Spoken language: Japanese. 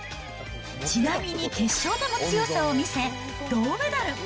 ちなみに決勝でも強さを見せ、銅メダル。